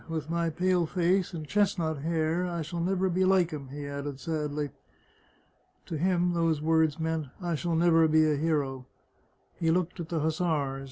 " With my pale face and chestnut hair I shall never be like him," he added sadly. To him those words meant, " I shall never be a hero !" He looked at the hussars.